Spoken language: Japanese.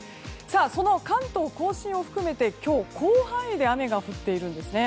その関東・甲信を含めて今日広範囲で雨が降っているんですね。